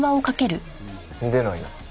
出ないな。